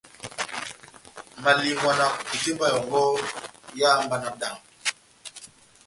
Malingwa na kukutemba yɔngɔ eháhá mba náhádambo.